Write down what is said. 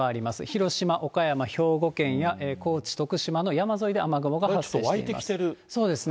広島、岡山、兵庫県や高知、徳島の山沿いで雨雲が発生しています。